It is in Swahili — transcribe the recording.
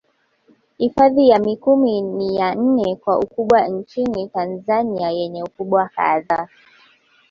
Hifadhi ya Mikumi ni ya nne kwa ukubwa nchini Tanzania yenye ukubwa kadhaa